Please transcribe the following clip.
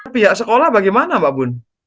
pihak sekolah bagaimana mbak bun